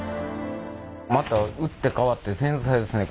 また打って変わって繊細ですね